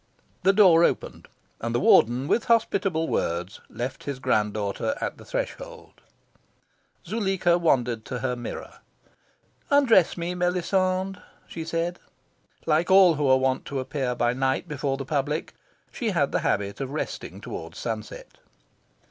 The door opened, and the Warden, with hospitable words, left his grand daughter at the threshold. Zuleika wandered to her mirror. "Undress me, Melisande," she said. Like all who are wont to appear by night before the public, she had the habit of resting towards sunset.